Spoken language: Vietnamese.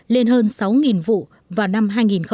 lên hơn sáu vụ vào năm hai nghìn một mươi chín